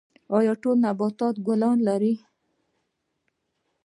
ایا ټول نباتات ګلونه لري؟